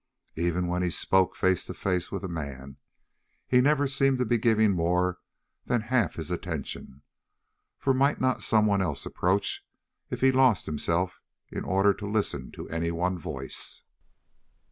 Even when he spoke face to face with a man, he never seemed to be giving more than half his attention, for might not someone else approach if he lost himself in order to listen to any one voice?